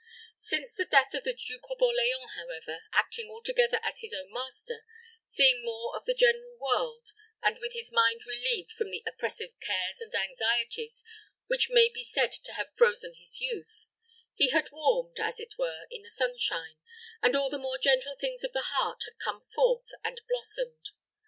Since the death of the Duke of Orleans, however, acting altogether as his own master, seeing more of the general world, and with his mind relieved from the oppressive cares and anxieties which may be said to have frozen his youth, he had warmed, as it were, in the sunshine, and all the more gentle things of the heart had come forth and blossomed.